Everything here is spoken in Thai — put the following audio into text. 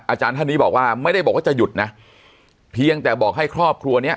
อาจารย์ท่านนี้บอกว่าไม่ได้บอกว่าจะหยุดนะเพียงแต่บอกให้ครอบครัวเนี้ย